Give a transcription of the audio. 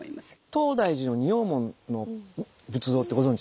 東大寺の仁王門の仏像ってご存じですか？